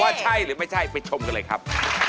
ว่าใช่หรือไม่ใช่ไปชมกันเลยครับ